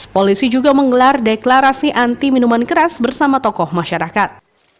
polisi juga menggelar deklarasi anti minuman keras bersama tokoh masyarakat